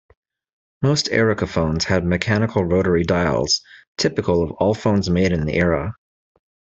Most Ericofons had mechanical rotary dials, typical of all phones made in the era.